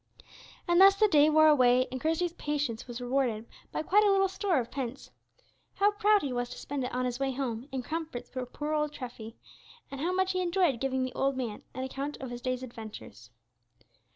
And thus the day wore away, and Christie's patience was rewarded by quite a little store of pence. How proud he was to spend it on his way home in comforts for old Treffy, and how much he enjoyed giving the old man an account of his day's adventures!